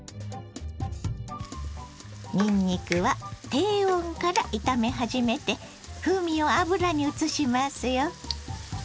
にんにくは低温から炒め始めて風味を油にうつしますよ。